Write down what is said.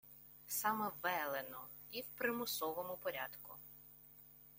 Саме велено, і в примусовому порядку